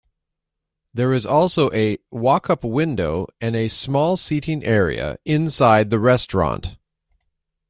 There is also a walkup window and a small seating area inside the restaurant.